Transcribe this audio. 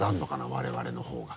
我々の方が。